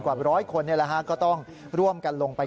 กว่าร้อยคนก็ต้องร่วมกันลงไป